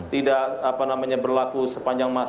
tidak apa namanya berlaku sepanjang waktu